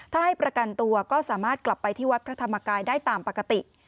ถ้าให้ประกันตัวก็สามารถกลับไปที่วัดพระธรรมกายได้ตามปกติ